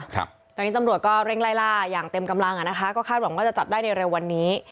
ตอนนี้ตำรวจก็เร่งไล่ล่าอย่างเต็มกำลังอ่ะนะคะก็คาดหวังว่าจะจับได้ในเร็ววันนี้